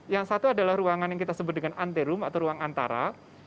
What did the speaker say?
yang satu adalah ruangan yang kita sebut dengan anterum atau ruang antara